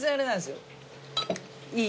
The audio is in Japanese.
いい？